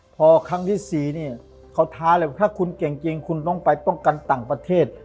พอครั้งที่๔เนี่ยเขาท้าเลยว่าถ้าคุณเก่งจริงคุณต้องไปป้องกันต่างประเทศ